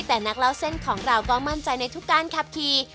แต่นักเล่าเส้นของเราก็มั่นใจในทุกการขับขี่